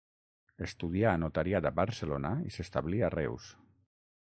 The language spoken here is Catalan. Estudià notariat a Barcelona i s'establí a Reus.